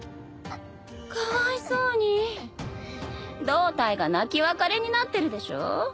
胴体が泣き別れになってるでしょ。